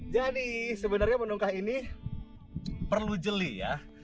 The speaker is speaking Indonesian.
jadi sebenarnya penungkah ini perlu jeli ya